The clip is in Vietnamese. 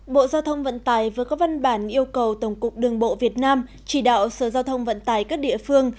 bộ giao thông vận tải vừa có văn bản yêu cầu tổng cục đường bộ việt nam chỉ đạo sở giao thông vận tải các địa phương